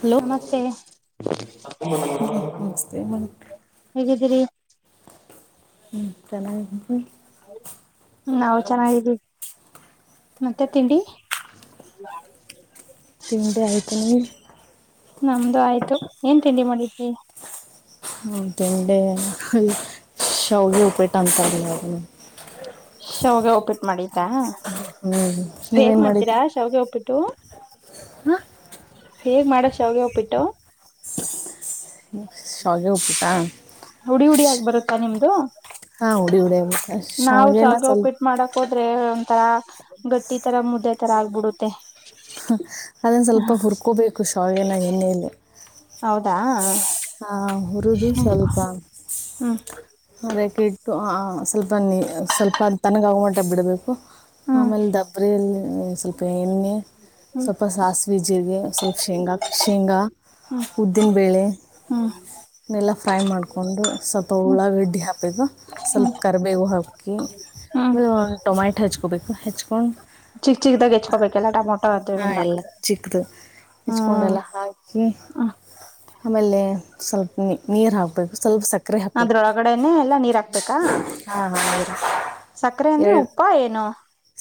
Hello ನಮಸ್ತೆ ನಮಸ್ತೆ ಹೇಗಿದ್ದೀರಿ ಹ್ಮ್ ಚೆನ್ನಾಗಿ ನಾವು ಚೆನ್ನಾಗಿದ್ದೀವಿ ಮತ್ತೆ ತಿಂಡಿ ಹ [unintelligible] ತಿಂಡಿ ಆಯ್ತು ನಿ [unintelligible] ನಮ್ದು ಆಯ್ತು ಏನ್ ತಿಂಡಿ ಮಾಡಿದ್ರಿ ಅವುನ್ ತಿಂಡೆ ಶಾವಿಗೆ ಉಪ್ಪಿಟ್ ಅಂತರಲ್ಲ ಅದು ಶಾವಿಗೆ ಉಪ್ಪಿಟ್ಟು ಮಾಡಿದ್ದ ಹ್ಞೂ ಹೇಗ್ ಮಾಡ್ತೀರಾ ಶಾವಿಗೆ ಉಪ್ಪಿಟ್ಟ್ ಟು [unintelligible] ಹಾ ಹೇಗ ಮಾಡದ ಶಾವಿಗೆ ಉಪ್ಪಿಟ್ಟು ಟಕ್ ಹ್ಹ ಹಿಜಸ್ ಶಾವಿಗೆ ಉಪ್ಪಿಟಾ ಹುಡಿ ಹುಡಿ ಟಕ್ ಆಗಿ ಬರುತ್ತಾ ನಿಮ್ಮದು ಪ್ಚ್ ಹಾ ಉಡಿ ಉಡಿ ಪ್ಚ್ ಇರುತ್ತೆ ಶಾವಗೇನಾ ಸ್ವಲ್ಪ. ತ್ತಾ ಗಟ್ಟಿ ತರ ಮುದ್ದೆ ತರ ಆಗ್ಬಿಡುತ್ತೆ ಹ್ಹ ಅದುನ ಸ್ವಲ್ಪ ಹುರ್ಕೋಬೇಕು ಶಾವಗೇನ ಎಣ್ಣೆಯಲ್ಲಿ. ದಾ ಆಆಆ ಹುರುದು ಸ್ವಲ್ಪ ಹ್ಮ್ ಜ್ಜಿ ಆರಕಿಟ್ಟು. ಆ ಸ ಸ್ವಲ್ಪ ನೀ ಸ್ವಲ್ಪ ತನ್ನಗ ಆಗುವಟ ಗಂಟಾ ಬಿಡಬೇಕು ಹ್ಮ್ ಆಮೇಲೆ ದಬ್ಬರಿಲ್ಲಿ ಸ್ವಲ್ಪ ಎಣ್ಣೆ ಹ್ಮ್ ಸ್ವಲ್ಪ ಸಾಸಿವೆ ಜಿರ್ಗೆ ಸ್ವಲ್ಪ ಶೇಂಗಾಕ ಶೇಂಗಾ ಪ್ಚ್ ಉದ್ದಿನಬೇಳೆ. ಹಾ ಇವನ್ನೆಲ್ಲ ಫ್ರೈ ಮಾಡ್ಕೊಂಡು ಸ್ವಲ್ಪ ಉಳ್ಳಾಗಡ್ಡಿ ಹಾಕ್ಬೇಕು ಸ್ವಲ್ಪ ಕರಿಬೇವು ಹಾಕಿ ಹ್ಮ್ ಆಮೇಲೆ ಟೊಮೆಟ ಹಚ್ಕೋಬೇಕು ಹೆಚ್ಚ ಪ್ಪಾ ಚಿಕ್ಕ್ ಚಿಕ್ಕದಾಗಿ ಹೆಚ್ಕೋಬೇಕಲ್ಲ ಟಮೊಟೊ ಆದ ಹಾಂ ಎಲ್ಲ ಚಿಕ್ಕದು ಹೆಚ್ಕೊಂಡೆಲ್ಲ ಹಾಕಿ ಹ ಹಾ ಆಮೇಲೆ ಸ್ವಲ್ಪ ನೀ ನೀರ್ ಹಾಕ್ಬೇಕು ಸ್ವಲ್ಪ ಸಕ್ಕ ಅದ್ರೊಳಗಡೆನೆ ಎಲ್ಲಾ ನೀರ ಹಾಕ್ಬೇಕಾ ಹಾಂ ಹಾಂ ನೀರು ಸಕ್ಕರೆ ಅಂದ್ರೆ ಎರಡು ಉಪ್ಪ ಏನು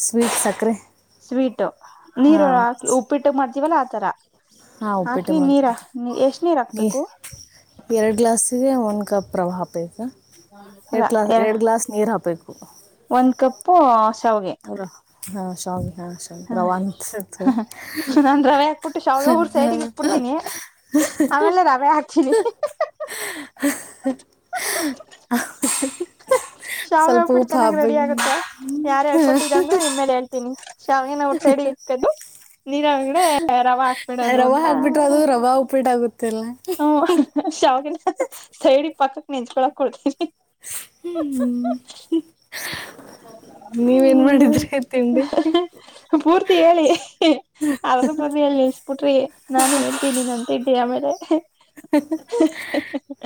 ಸ್ವೀಟ್ ಸಕ್ಕರೆ ಸ್ವೀಟು ನೀರು ಉಪ್ಪಿಟ್ಟಕ್ ಮಾಡ್ತೀವಲ್ಲ ಆತರ [unintelligible] ಹಾ ಉಪ್ಪಿಟ್ಟ ಹಾಕಿ ನೀರ ಮಾಡತೇವಿ ಎಷ್ಟ್ ನೀರ್ ನೀ ಹಾಕ್ಬೇಕು ಎರಡು ಗ್ಲಾಸಿಗ ಒಂದ್ ಕಫ್ ರವಾ ಹಾಕಬೇಕ ಎ ಅಲ್ಲ ಕ್ಲಾಸ್ ಎರ ಎರಡ್ ಗ್ಲಾಸ್ ನೀರ್ ಹಾಕಬೇಕ. ಕ್ಕ್ ಸ್ ಒಂದ್ ಕಪ್ಪು ಊ ಹಲೋ ಪ್ಚ್ ಹಾ ಶಾವಗೆ ಹಾ ಹ್ಹ ನಾನು ರವೆ ಹಾಕ್ಬಿಟ್ಟು ಶಾವಗೆ ಹುರುದು ಸೈಡಿಗೆ ಇಟ್ಟಬಿಡತೀನಿ ಹಿ ಆಮೇಲೆ ರವೆ ಹಾಕ್ತೀನಿ ಹ್ಹ್ಹ್ಹ್ಹ್ ಕ ಹಾ ಶಾವಗೆ ಸ್ವಲ್ಪ ಉಪ್ಪಿಟ್ಟು ಉಪ್ಪು ಚೆನ್ನಾಗ್ ರೆಡಿ ಹಾಕ್ಬೇಕು ಆಗುತ್ತೆ ಯಾರ ಹೇಳ್ಕೊಟ್ಟಿದ್ದು ಅಂದ್ರೆ ನಿಮ್ಮ ಮೇಲೆ ಹೇಳ್ತೀನಿ ಶಾವಗೆನಾ ಹುರುದು ಸೈಡಿಗೆ ಇಕ್ಕದು ನೀರ ಒಳಗಡೆ ರವ ಹಾಕ್ಬಿಡೋದು ರವೆ ಅಂತಆಆ ಹಾಕ್ಬಿಟ್ರೆ ಅದು ರವೆ ಉಪ್ಪಿಟ್ಟು ಆಗುತ್ತಲ್ಲ ಹು ಹ್ಹು ಶಾವಿಗೆ ಹಕ ಸೈಡಿ ಪಕ್ಕಕ್ ನೆಂಚಕೊಳಕು ಕೊಡ ಜಿಸ್ ಹುಯ್ಹು ಹ್ ನೀವೇನ ಮಾಡಿದ್ರಿ ತಿಂಡಿ? ಹ್ಮ್ ಪೂರ್ತಿ ಹೇಳಿ ಅರ್ಧ ಪದ ಹೇಳಿ ನಿಲ್ಸಿ ಪುಟ್ರಿ ನಾನು ಹೇಳ್ತೀನಿ ಅಂತ ಇದ್ದಿ ಆಮೇಲೆ [unintelligible]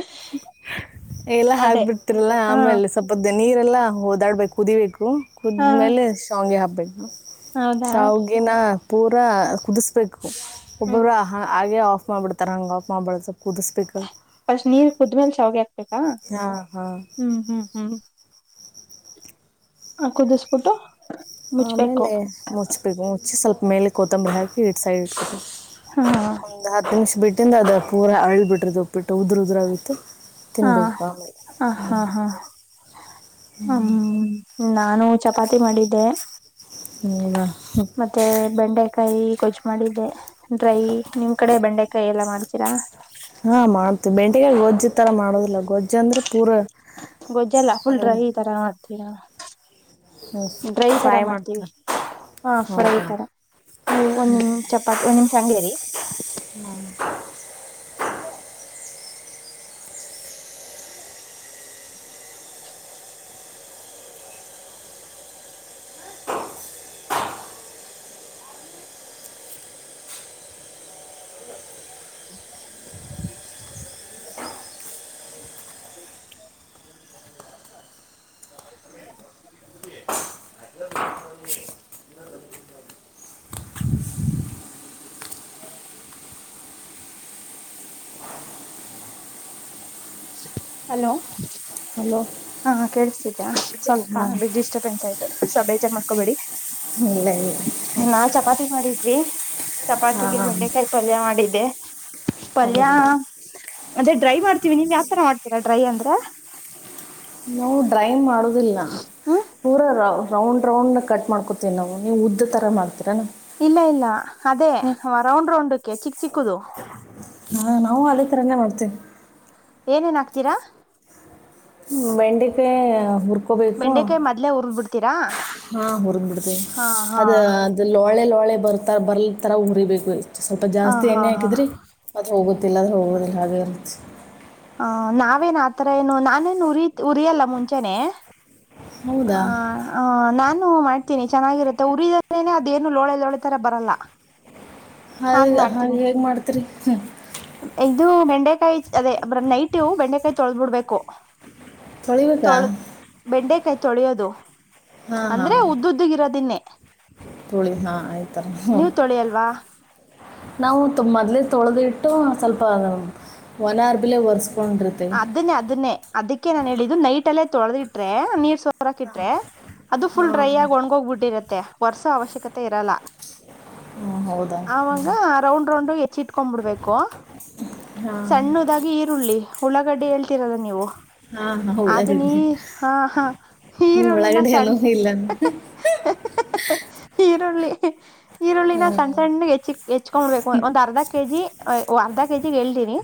ಎಲ್ಲಾ ಅದೇ ಹಾಕ್ಬಿಡ್ತಿರಲ್ಲಾ ಹಾ ಆಮೇಲೆ ಸ್ವಲ್ಪ ದ ನೀರೆಲ್ಲ ಓದಾಡ್ಬೇಕು ಕುದ್ದಿಬೇಕ ಹಾ ಕುದ್ಮೇಲೆ ಶಾಂವಗಿ ಹಾಕ ಬೇಕು ಹೌದಾ ಶಾವಗಿನ ಪೂರಾ ಕುದಿಸ್ಬೇಕು ಹ್ಮ್ ಒಬ್ಬೊಬ್ಬರು ಹಂಗೆ ಆಫ್ ಮಾಡಬಿಡ್ತಾರ ಹಂಗ ಆಫ್ ಮಾಡಬಾರ್ದ ಫಸ್ಟ್ ನೀರ ಕುದ್ಮೇಲೆ ಶ್ಯಾವಿಗೆ ಹಾಕ್ಬೇಕ ಹಾ ಹ್ಮ್ ಹ್ಮ್ ಹ್ಮ್ ಆ ಕುದಿಸ್ಬಿಟ್ಟು ಮುಚ್ಬೇಕು ಆಮೇಲೆ ಮುಚ್ಬೇಕು ಮುಚ್ಚಿ ಸ್ವಲ್ಪ ಮೇಲೆ ಕೊತ್ತಂಬರಿಹಾಕಿ ಎತ್ತಿ ಸೈಡ್ ಇಟ್ಟಕೋ ಹಾ ಒಂದ ಹತ್ತು ನಿಮಿಷ ಬಿಟ್ಟು ದಿಂದ ಅದ ಪೂರ ಅಳಿ ಬಿಟ್ರದುಪ್ಪಿಟ್ಟು ಉದ್ರ ಉದ್ರ ಆಗತ್ತು ಹಾ ಹ ಹಾ ಹಾ ಹ್ಮ್ ನಾನು ಚಪಾತಿ ಮಾಡಿದ್ದೆ ಹೌದಾ ಕೈ ಗೊಜ್ಜ ಮಾಡಿದ್ದೆ ಡ್ರೈ ನಿಮ್ ಕಡೆ ಬೆಂಡೆ ಕೈಯ ಎಲ್ಲ ಮಾಡ್ತೀರಾ? ಏನ ಗೊಜ್ಜ ತರ ಮಾಡೋದಿಲ್ಲ ಗೊಜ್ಜ ಅಂದ್ರ ಗೊಜ್ಜೆಲ್ಲ ಫುಲ್ ಡ್ರೈ ಈ ತರ [unintelligible] ಡ್ರೈ ತರ ಫ್ರೈ ಮಾಡ್ತೀವಿ ಮಾಡ್ತಾರೆ ಹಾ ಫ್ರೈ ಹೌದಾ ತರ ನೀವು ಒಂದ್ ನಿಮ ಚಪಾತಿ ಒಂದ್ ನಿಮಿಷ ಹಂಗೇರಿ [inaudible] ಹಲೋ ಹಲೋ ಹಾ ಕೇಳಸ್ತಿದ್ದೀಯಾ? [inaudible] ಸ್ವಲ್ಪ ಹಾಂ ಡಿಸ್ಟರ್ಬ್ಸ್ ಆಯಿತ್ ಸರ್ ಬೇಜಾರ್ ಮಾಡ್ಕೋಬೇಡಿ ಇಲ್ಲ ಇಲ್ಲ ರೀ ಚಪಾತಿಗೆ ಹಾಂ ಬೆಂಡೆಕಾಯಿ ಪಲ್ಯ ಮಾಡಿದ್ದೆ ಪಲ್ಯ ಹೌದಾ ಮತ್ತೆ ಡ್ರೈ ಮಾಡ್ತೀವಿ ನಿಮ್ ಯಾವತರ ಮಾಡ್ತೀರಾ ಡ್ರೈ ಅಂದ್ರೆ ನಾವು ಡ್ರೈನ್ ಮಾಡುದು ಇಲ್ಲ ಹ್ಮ್ ಊರಾರಾವ ರೌಂಡ್ ರೌಂಡ್ನ ಕಟ್ ಮಾಡ್ಕೊತೀವಿ ನಾವು ಉದ್ದತರ ಮಾಡ್ ಇಲ್ಲ ಇಲ್ಲ ಅದೇ ರೌಂಡ್ ರೌಂಡ್ ಚಿಕ್ ಚಿಕ್ಕದು ಹಾ ನಾವು ಅದೇ ತರನೇ ಮಾಡ್ತೇವಿ ಏನೇನ್ ಹಕ್ತೀರಾ ಬೆಂಡೆಕಾಯಿ ಉರ್ ಬೆಂಡೆಕಾಯಿ ಮೊದ್ಲೇ ಉರದುಕೋ ತ್ತೀರಾ ಹಾ ಉರ್ದು ಬಿಡ್ತಿವಿ ಅದ ಅದು ಲೋಳೆ ಲೋಳೆ ಬರ್ತ ಬರ್ಲ್ತರ ಉರಿ ಬೇಕು ಸ್ವಲ್ಪ ಹ ಜಾಸ್ತಿ ಹಾ ಎಣ್ಣೆ ಹಾ ಹಾಕಿದ್ರಿ ಹೋಗುದಿಲ್ಲ ಆದ್ರೆ ಹೋಗೋದಿಲ್ಲ ಹಾಗೆ [inaudible] ಹ ನಾವೇನ್ ಆತರ ಏನು ನಾನೇನು ಉರಿ ಉರಿಯಲ್ಲ ಮುಂಚೆನೆ ಹೌದಾ ಹ ಹ ನಾನ್ ಮಾಡ್ತೀನಿ ಚೆನ್ನಾಗಿರುತ್ತೆ ಉರಿದೇನೆ ಅದೇಏನು ಲೋಳೆಲೋಳೆ ತರ ಬರಲ್ಲ ಹಾಗ್ [unintelligible] ಮಾಡ್ತೀನಿ ಹೇಗ್ ಮಾಡ್ತಿರಿ ಇದು ಬೆಂಡೆಕಾಯಿ ಅದೇ ನೈಟ್ ಬೆಂಡೆಕಾಯಿ ತೊಳಬಿಡ್ಬೇಕು ತೊಳಿಬೇಕಾ ತೊಳದ್ ಬೆಂಡೆಕಾಯಿ ತೊಳೆಯದು ಹಾಂ ಅಂದ್ರೆ ಹಾಂ ಉದ್ದುದ್ದುಗಿರೋದನ್ನೇ ತೊಳಿ ಹಾಂ ಆಯ್ತರ ಹ್ಞೂ ನೀವ್ ತೊಳಿಯಲ್ವಾ ನಾವು ತೊಮೊದ್ಲೇ ತೊಳೆದ್ ಇಟ್ಟು ಸ್ವಲ್ಪ ಒಣ ಹರ್ಬಿಲೆ ಒರ್ಸ್ ಅದನ್ನೆ ಅದನ್ನೆ ಅದಕ್ಕೆ ನಾನ್ ಹೇಳಿದ್ದು ನೈಟ್ ದಲ್ಲೇ ತೊಳ್ದು ಇಟ್ಟರೆ ನೀರ್ ಸೊರ್ ಸೊರಕೆ ಇಟ್ಟರೆ ಅದು ಫುಲ್ ಹಾಂ ಡ್ರೈ ಆಗ್ ಒಣ್ ಹೋಗ್ಬಿಟ್ಟಿರತ್ತೆ ತ್ತೆ ವರ್ಸೊ ಅವಶ್ಯಕತೆ ಇರಲ್ಲ ಹಾಂ ಹೌದಾ ಅವಗ, ರೌಂಡ್, ರೌಂಡ್, ಎ. [inaudible] ಕೊಂಬಿಡ್ಬೇಕು, ಹಾಂ ಸಣ್ಣದಾಗಿ ಈರುಳ್ಳಿ. [inaudible] ರೆಡಿ, ಹೇಳ್ತರಲ್ಲ ನೀವು ಹಾಂ ಹಾಂ ಅದು! ನೀ, ಉಳ್ಳಾಗಡ್ಡಿ ಹ, ಹ ನೀವು ಈರುಳ್ಳಿನ, ಒಳಗಡೆ ಏನೂ ಸಣ್ಣ್.. ಇಲ್ಲ [unintelligible] ತಾಳಿ.. [unintelligible] ಈರುಳ್ಳಿನ, ಸಣ್ಣ್, ಹಾಂ ಸಣ್ಣ್, ಹೆಚ್ಚಿಕ್ ಹೆಚ್ಕೊಬಿಡ್ಬೇಕು! ಒಂದ್, ಅರ್ಧ, ಕೆಜಿ ಅರ್ಧ ಕೆ, ಜಿ, ಹೇಳ್ತೀನಿ!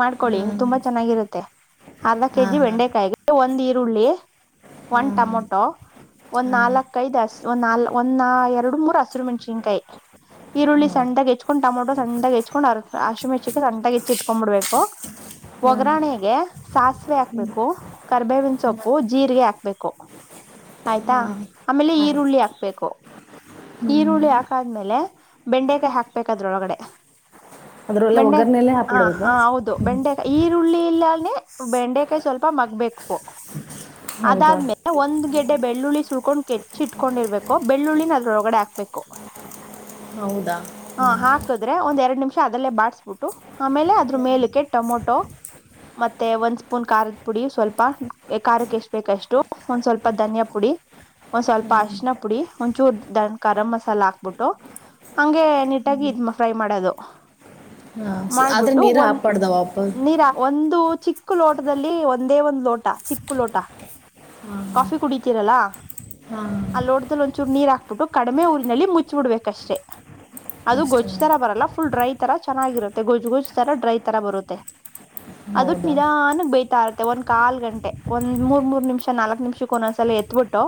ಮಾಡ್ಕೊಳ್ಳಿ ತುಂಬಾ? [inaudible] ಚೆನ್ನಾಗಿರುತ್ತೆ! ಅರ್ದ ಕೆಜಿ, ಹಾಂ ಹಾಂ ಬೆಂಡೆಕಾಯಿಗೆ ಒಂದು ಈ... [inaudible] ಈರುಳಿ.. [unintelligible] ಒನ್, ಟಮೊಟೊ, ಹಾಂ ಒಂದ್ ಹಾಂ ನಾಲ್ಕ, ಐದು ಹಸ್ ಒನ್, ನ ಒನಾ ಎರಡು, ಮೂರ್ ಹಸಿರು ಮೆಣಸಿ. [inaudible] ಇಂಕಾಯ್.. [inaudible] ಈರುಳ್ಳಿ, ಹಾಂ ಹೌದಾ ಸಣ್ಣ್ದಗೆ, ಹೆಚ್ಕೊಂಡು ಟೊಮೊಟೋ! [inaudible] ಸಣ್ಣ್ದಗೆ, ಹೆಚ್ಕೊಂಡ್, ಅರ್ ಆಶ್ರಮಚ್ಚಿಕ್ಕಗೆ ಸಣ್ಣ್ದಗೆ, ಹೆಚ್ಚಿ ಇಟ್ಕೊಂಡ್, ಬಿಡ್ಬೇಕು! [unintelligible] ಹಾಂ ಒಗ್ರಣೆಗೆ, ಸಾಸಿವೆ ಹಾಕ್ಬೇಕು, ಕರ್ಬೇವಿನ ಸೊಪ್ಪು, ಜೀರಿಗೆ ಹಾಕ್ಬೇಕು. [inaudible] ಆಯ್ತಾ, ಹಾಂ ಅಮೇಲೆ, ಆಯ್ತು ಈರುಳ್ಳಿ ಹಾಕ್ಬೇಕು. [inaudible] ಈರುಳ್ಳಿ, ಆಕಾದ್ಮೇಲೆ. [inaudible] ಬೆಂಡೆಕಾಯಿ, ಹಾಕ್ಬೇಕ್! ಅದ್ರ ಒಳಗಡೆ. [inaudible] ಅದ್ರಲ್ಲೆ, ಒಗ್ಗರ್ನಲ್ಲೇ, ಹಾಕ್ಬಿಡಬೇಕ.... [unintelligible] ಈರುಳ್ಳಿ, ಇಲ್ಲಾನೆ, ಬೆಂಡೆಕಾಯಿ ಸ್ವಲ್ಪ ಮಗ್ಬೇಕು? [inaudible] ಹೌದಾ ಅದಾದ್ಮೇಲೆ, ಒಂದ್, ಗೆಡ್ಡೆ ಬೆಳ್ಳುಳ್ಳಿ ಸುಲಕೊಂಡ್. [inaudible] ಕೆಚ್ಚಿ ಇ, ಟ್ಕೊಂಡಿರ್ಬೇಕು, ಬೆಳ್ಳುಳ್ಳಿನ ಅದ್ರೋಳಗಡೆ, ಹಾಕ್ಬೇಕು. ಹೌದಾ [inaudible] ಹಾ, ಹಾಕುದ್ರೆ, ಒಂದ್, ಎರಡ್, ನಿಮಿಷ್. [inaudible] ಅದಲ್ಲೇ, ಬಾಗ್ಸ್ಬಿಟ್ಟು. [inaudible] ಆಮೇಲೆ, ಅದ್ರ, ಮೇಲಿಕೆ ಟಮೊ. [inaudible] ಮತ್ತೆ, ಒಂದ್ ಸ್ಪೂನ್ ಕಾರದ, ಪುಡಿ ಸ್ವಲ್ಪ ಕಾರಕ್ಕೆ ಎಷ್ಟಬೇಕ್! ಅಷ್ಟು ಒಂದ್ ಸ್ವಲ್ಪ ಧನಿಯಾ ಪುಡಿ, ಒಂದ್ ಸ್ವಲ್ಪ ಅಶಿನ ಪುಡಿ ಒಂದ್ಚೂರ್, ದ ಕರಂ ಮಸಾಲ, ಹಾಕ್ಬಿಟ್ಟು ಹಂಗೆ, ನೀಟಾಗಿ ಇದ್ ಫ್ರೈ ಮಾಡೋದು. [inaudible] ಹ, ಆದ್ರೆ ನೀರು ಹಾಕುಬಾರದು, ಅವಾಗ. [inaudible] ನಿರಾ, ಒಂದ್... [inaudible] ಇದು, ಚಿಕ್ಕ ಲೋಟದಲ್ಲಿ, ಒಂದೇ ಒಂದ್ ಲೋಟ, ಚಿಕ್ಕ ಲೋಟ, ಹಾಂ ಕಾಫಿ ಕುಡಿತೀರಲ್ಲ! ಹಾಂ ಹಾಂ ಆ ಲೋಟದಲ್ಲಿ, ಒಂದಚೂರು, ನೀರ್ ಹಾಕ್ಬಿಟ್ಟು ಕಡಿಮೆ ಊರಿನಲ್ಲಿ ಮುಚ್ಚಬಿಡ್ಬೇಕಷ್ಟೆ. [inaudible] ಅದು, ಅಷ್ಟೇ ಗೊಜ್ಜ್ ತರ, ಬರಲ್ಲ. [inaudible] ಫುಲ್, ಡೈ, ತರ ಚೆನ್ನಾಗಿರುತ್ತೆ! ಗೊಜ್ ಗೋಜ್ ತರ ಡ್ರೈ ತರ ಬರುತ್ತೆ. [inaudible] ಅದು ಹೌದಾ ನಿಧಾನಕ್ಕೆ ಬೈತಾ ಇರುತ್ತೆ, ಒಂದ್ ಕಾಲ್ ಗಂಟೆ, ಒಂದ್, ಮೂರ್, ಮೂರ್, ನಿಮಿಷ ನಾಲ್ಕ್, ನಿಮಿಷಕ್ಕ ಒಂದೊಂದ್ಸಲ! ಎತ್ಬಿಟ್ಟು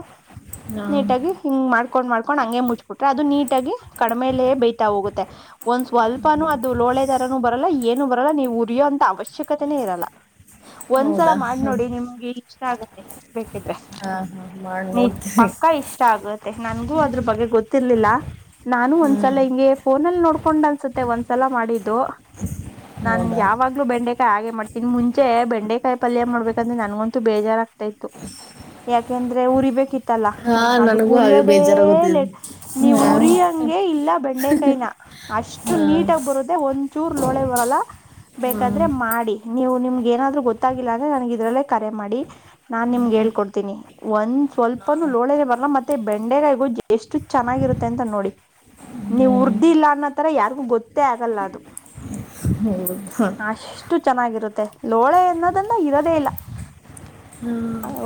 ಹಾಂ ನೀಟಾಗಿ ಹಿಂಗ್ ಮಾಡ್ಕೊಂಡ್ ಮಾಡ್ಕೊಂಡ್ ಹಂಗಗೆ ಮುಚ್ಬಿಟ್ರೆ, ಅದು ನೀಟಾಗಿ ಕಡಿಮೇಲೆೇ ಬೈತಾ ಹೋಗುತ್ತೆ! ಒಂದ್ ಸ್ವಲ್ಪನೂ ಅದು ಲೋಳೆ ತರನುೂ, ಬರಲ್ಲ ಏನು ಬರಲ್ಲ ನೀವು? [inaudible] ಕುಡಿಯೋಂಂತ, ಅವಶ್ಯಕತೆನೇ ಇರಲ್ಲ? [inaudible] ಒಂದ್ಸಲ, ಹೌದಾ ಮಾಡ್, ಹಾಂ ನೋಡಿ ನಿಮಗೆ? [inaudible] ಇಷ್ಟ, ಆಗತ್ತೆ ಬೇ.. ಹಾಂ ಹಾಂ ಮಾಡಿ [inaudible] ನಿಜ್ ನೋಡ್ತೀನಿ ಪಕ್ಕ ಇಷ್ಟ ಆಗತ್ ಮತ್ತ ನನ್ಗೂ ಅದ್ರ ಬಗ್ಗೆ ಗೊತ್ತಿರ್ಲಿಲ್ಲ ನಾನು ಹ್ಞೂ ಒಂದ್ಸಲ ಹಿಂಗೆ ಫೋನಲ್ಲಿ ನೋಡ್ಕೊಂಡ್ ಅನ್ಸುತ್ತೆ ಒಂದ್ಸಲ ಮಾಡಿದ್ದು ನಾನ್ ಹೌದಾ ಯಾವಾಗ್ಲೂ ಬೆಂಡೆಕಾಯಿ ಹಾಗೆ ಮಾಡ್ತನಿ ಮುಂಚೆ ಬೆಂಡೆಕಾಯಿ ಪಲ್ಯ ಮಾಡ್ಬೇಕಂದ್ರೆ ನನ್ಗಂತು ಬೇಜಾರಾಗಗ್ತಾ ಇತ್ತು ಯಾಕೆಂದ್ರೆ ಊರಿಬೇಕಿತ್ತು ಇತ್ತಲ್ಲ ಹಾಂ ಅದು ನನಗೂ ಹಾಗೆ ಉರಿಯೋದೇ ಬೇಜಾರಾಗುತ್ತೆ ನೀವು ಹಾಂ ಉರಿಯಂಗೆ ಇಲ್ಲ ಬೆಂಡೆಕಾಯನ ಅಷ್ಟ ಇಷ್ಟು ಹಾಂ ನೀಟ ಆಗಿ ಬರುದ ಒಂದ್ಚೂರು ಲೋಳೆ ಬರಲ್ಲ ಹಾಂ ಬೇಕಾದ್ರೆ ಮಾಡಿ ನೀವು ನಿಮ್ಗ ಏನಾದ್ರು ಗೊತ್ತಾಗಿಲ್ಲ ಅಂದ್ರೆ ನನ್ಗ ಇದ್ರಲ್ಲೇ ಕರೆ ಮಾಡಿ ನಾನ್ ನಿಮ್ಗೆ ಹೇಳ್ಕೊಡ್ತೀನಿ ಒಂದ್ ಸ್ವಲ್ಪನುೂ ಲೋಳೇನೆ ಬರ್ಲ್ಲ ಮತ್ತೆ ಬೆಂಡೆಗಗೋ ಎಷ್ಟು ಚೆನ್ನಾಗಿರುತ್ತೆ ಅಂತ ನೋಡಿ ನೀವ ಹ್ಮ್ ಉರದೀಲ್ಲಾ ಅನ್ನೋತರ ಯಾರಿಗು ಗೊತ್ತೇ ಆಗಲ್ಲ ಅದು ಹಾ ಎಷ್ಟು ಚೆನ್ನಾಗಿರುತ್ತೆ ಲೋಳೆ ಎನ್ನೋದನ್ನ ಇರೋದೆೇ ಇಲ್ಲ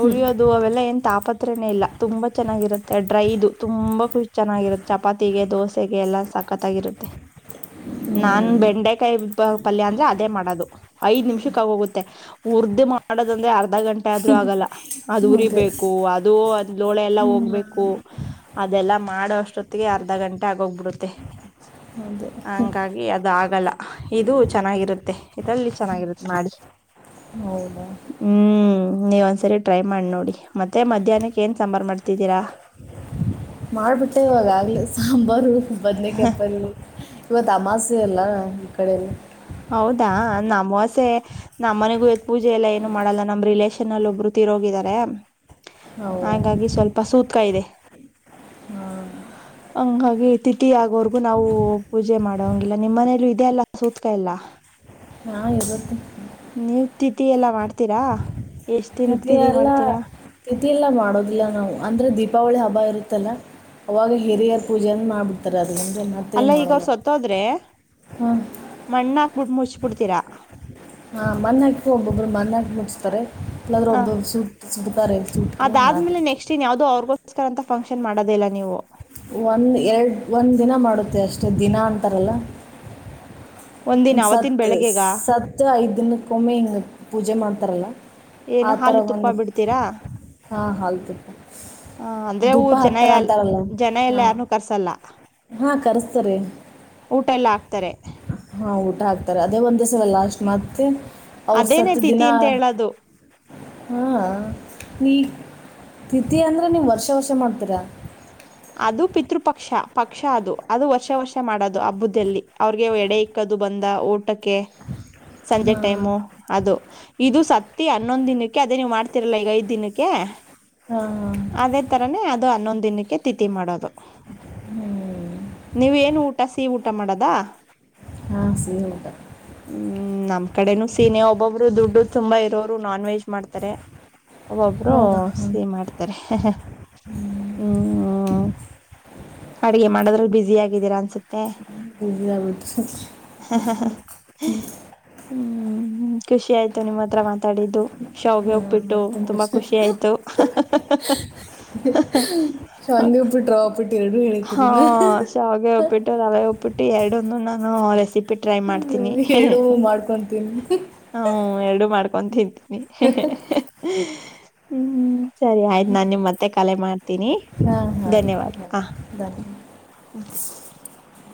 ಉರಿಯೋದು ಅವೆಲ್ಲ ಏನ್ ತಾಪತ್ರನೇ ಇಲ್ಲ ತುಂಬಾ ಚೆನ್ನಾಗಿರುತ್ತೆ ಡ್ರೈದು ತುಂಬಾ ಖುಷಿ ಚೆನ್ನಾಗಿರುತ್ತೆ ಚಪಾತಿಗೆ ದೋಸೆಗೆ ಎಲ್ಲಾ ಸಕತ್ತಾಗಿರುತ್ತೆ ನಾನ್ ಹ್ಮ್ ಬೆಂಡೆಕಾಯಿ ಬ ಪಲ್ಯ ಅಂದ್ರೆ ಅದೇ ಮಾಡೋದು ಐದ್ ನಿಮಿಷಕ್ಕ ಆಗೋಗುತ್ತೆ ಉರದ ಮಾಡೋದಂದ್ರೆ ಅರ್ಧ ಗಂಟೆ ಆದ್ರೂ ಆಗಲ್ಲ ಅದು ಅದೇ ಉರಿಬೇಕು ಅದು ದೋಳೆ ಎಲ್ಲ ಹ್ಮ್ ಹೋಗ್ಬೇಕು ಅದೆಲ್ಲಾ ಮಾಡುವಷ್ಟೊತ್ತಿಗೆ ಅರ್ಧ ಗಂಟೆ ಆಗೋಗ್ಬಿಡುತ್ತೆ ಅದೇ ಹಂಗಾಗಿ ಅದ ಆಗಲ್ಲ ಇದು ಚೆನ್ನಾಗಿರುತ್ತೆ ಇದಲ್ಲಿ ಚೆನ್ನಾಗಿರುತ್ತೆ ಮಾಡಿ ಹೌದಾ ಹ್ಮ್ ನೀವ ಒಂದ್ಸರಿ ಟ್ರೈ ಮಾಡಿ ನೋಡಿ ಮತ್ತೆ ಮಧ್ಯಾಹ್ನಕ್ಕೆ ಏನ್ ಸಾಂಬಾರ್ ಮಾಡ್ತಿದ್ದೀರಾ ಮಾಡ್ಬಿಟ್ಟೇವಾಗ ಆವಾಗಲೇ ಸಾಂಬಾರು ಬದಲಕ್ಕೆ ಬರ ಇವ ಅಮಾಸೆ ಅಲ್ಲ ಈ ಕಡೆಯಲ್ಲಿ ಹೌದಾ ನಮ್ಮ ಅಮಾವಾಸ್ಯೆ ಪೂಜೆ ನಮ್ಮ್ ಮನೆಗೂ ಪೂಜೆ ಎಲ್ಲ ಏನು ಮಾಡಲ್ಲ ನಮ್ಮ್ ರಿಲೇಶನ್ ಅಲ್ಲಿ ಒಬ್ರು ತಿರೋಗಿದ್ದಾರೆ ಹೌದಾ ಹಾಗಾಗಿ ಸ್ವಲ್ಪ ಸೂತ್ಕ ಇದೆ ಹಾಂ ಹಂಗಾಗಿ ತಿಥಿ ಆಗೋವರ್ಗು ನಾವು ಪೂಜೆ ಮಾಡೋಂಗಿಲ್ಲ ನಿಮ್ಮ್ ಮನ ಇದೆಲ್ಲ ಎಲ್ಲ ಹಾಂ ಇವತ್ತು ನೀವ್ ತಿಥಿಎಲ್ಲ ಮಾಡ್ತೀರಾ ಎಷ್ಟ್ ದಿನಕ್ತಿದಿ ಮಾಡ್ತೀರಾ ರತಿ ಎಲ್ಲ ಮಾಡೋದಿಲ್ಲ ನಾವು ಅಂದ್ರೆ ದೀಪಾವಳಿ ಹಬ್ಬ ಇರುತ್ತಲ್ಲ ಅವಾಗ ಹಿರಿಯರ ಪೂಜೆನ ಮಾಡ್ಬಿಡ್ತಾರೆ ಎಂದ ನತ್ತೇ ಅಲ್ಲ ಈಗ ಮಾಡಲ್ಲ ಅವ್ರು ಹ್ಮ ಮಣ್ಣಾಕ್ ಬಿಟ್ಟ ಮುಚ್ಬಿಡ್ತೀರಾ ಹಾ ಮನ್ ಆ್ತ ಒಬ್ಬೊಬ್ರು ಮನ್ಗಿ ಮುಗಿಸ್ತಾರೆ ಇಲ್ಲಾದ್ರರು ಹ ಒಬ್ಬಬ್ರು ಸೂಟ್ ಸುಡ್ತಾರೆ ಸೂಟರು ಆದ್ರ ಅಕ್ಕೋಸ್ಕರ ಅ ಫಂಕ್ಷನ್ ಮಾಡೋದಿಲ್ಲ ನೀವು ಒಂದು ಎರಡು ಒಂದು ದಿನ ಮಾಡುತ್ತೆ ಅಷ್ಟೆ ದಿನ ಅಂತಾರಲ್ಲ ಒಂದಿನ ಹಂಗ ಸತ್ ಅವತ್ತಿನ ಬೆಳಿಗ್ಗೆಗ ಸತ್ ಐದ್ ದಿನಕ್ಕೊಮ್ಮೆ ಹಿಂಗ ಪೂಜೆ ಮಾಡ್ತಾರಲ್ಲ ಏನು ಆತರ ಹಾಲು ತುಪ್ಪ ಒಂದು ಬಿಡ್ತೀರಾ ಹಾ ಆಲ್ತ ಹ ಅಂದ್ರೆ ಧೂಪ ಊರ್ ಜನ ಹಾಕ್ತಾರ ಎಲ್ ಅಂತಾರಲ್ಲ ಜನ ಎಲ್ಲ ಹಾ ಯಾರನ್ನು ಕರ್ಸಲ್ಲ ಹಾ ಕರ್ಸ್ತ ಸರಿ ಊಟ ಎಲ್ಲ ಹಾಕ್ತಾರೆ ಹಾ ಊಟ ಹಾಕ್ತಾರೆ ಅದೇ ಒಂದ್ ದಿವಸವೆಲ್ಲ ಅಷ್ಟಟ್ ಮತ್ತೆ ಅವ್ರ ಅದೇನೆ ಸತ್ತು ದಿನ ತಿಥಿ ಅಂತ ಹೇಳೋದು ಹಾ ನೀ ಥಿತಿಯ ಅಂದ್ರೆ ನೀವು ವರ್ಷ ವರ್ಷ ಮಾಡ್ತೀರಾ ಅದು ಪಿತೃಪಕ್ಷ ಪಕ್ಷ ಅದು ಅದು ವರ್ಷ ವರ್ಷ ಮಾಡೋದು ಹಬ್ಬ್ದದಲ್ಲಿ ಅವ್ರಿಗೆ ಎಡೆ ಇಕ್ಕದು ಬಂದ ಊಟಕ್ಕೆ ಸಂಜೆ ಹಾಂ ಟೈಮು ಅದು ಇದು ಸತ್ತ ಹನ್ನೊಂದ್ ದಿನಕ್ಕೆ ಅದೇ ನೀವ್ ಮಾಡ್ತಿರಲ್ಲ ಈಗ ಐದ್ ದಿನಕ್ಕೆ ಹಾ ಹಾ ತರೇ ಅದು ಹನ್ನೊಂದ್ ದಿನಕ್ಕೆ ತಿಥಿ ಮಾಡೋದು ನೀವ ಏನು ಊಟ ಸಿಹ ಊಟ ಮಾಡೋದಾ? ಹಾಂ ಸಿಹಿ ಊತ ಹ್ಮ್ ನಮ್ ಕಡೆನುೂ ಸೀನೆ ಒಬ್ಬೊಬ್ರು ದುಡ್ಡು ತುಂಬಾ ಇರೋರು ನಾನ್ ವೆಜ್ ಮಾಡ್ತಾರೆ ಒಬ್ಬೊಬ್ರು ಹೌದಾ ಸಿಹಿ ಮಾಡ್ತ ರೆ ಹ್ಮ್ ಅಡಗೆ ಮಾಡದ್ರಲ್ಲಿ ಬ್ಯುಸ ಆಗಿದ್ದೀರಾ ಅನ್ಸುತ್ತೆ [unintelligible] [unintelligible] ಹ್ಮ್ ಖುಷಿ ಆಯ್ತು ನಿಮ್ಮ ಹತ್ರ ಮಾತಾಡಿದ್ದು ಶಾವಗೆ ಒಪ್ಪಿಟ್ಟು ಆಗ್ಬಿಟ್ಟು ತುಂಬ ತುಂಬಾ ಖುಷಿ ಆಯ್ತು [unintelligible] ಶ್ಯಾವಂಗಿ ಉಪ್ಪಿಟ ರವಾ ಉಪ್ಪಿಟ್ಟ ಎರಡು ಹಾ ಶ್ಯಾವಿಗೆ ಉಪ್ಪಿಟ್ಟ ಉಪ್ಪಿಟ್ಟು ರವೆ ಉಪ್ಪಿಟ್ಟು ಎರಡನ್ನೂ ನಾನು ರೆಸಿಪಿ ಟ್ರೈ ಮಾಡ್ತೀನಿ ಸರಿ ಎರಡು ಮಾಡ್ಕೊಂಡ ತಿನ್ನಿ [unintelligible] ತಿನ್ನತಿನಿ [unintelligible] ಹ್ಮ್ ಸರಿ ಆಯ್ತು ನಾನ ನಿಮಗ ಮತ್ತೆ ಕರೆ ಮಾಡ ತಿ ಹಾಂ ಹಾಂ ಧನ್ಯವಾದ ಹ ಧನ್ಯವಾದ [unintelligible]